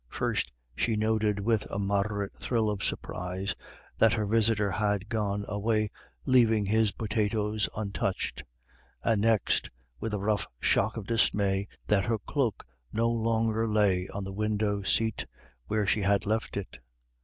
First, she noted with a moderate thrill of surprise that her visitor had gone away leaving his potatoes untouched; and next, with a rough shock of dismay, that her cloak no longer lay on the window seat where she had left it.